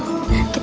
kita lihat aja yuk